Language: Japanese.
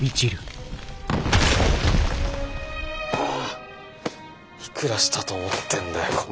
あいくらしたと思ってんだよ